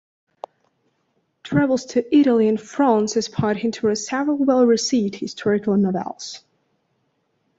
Travels to Italy and France inspired him to write several well-received historical novels.